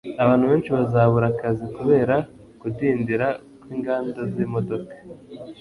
abantu benshi bazabura akazi kubera kudindira kwinganda zimodoka